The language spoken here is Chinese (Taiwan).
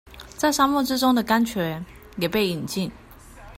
在沙漠之中的甘泉也被飲盡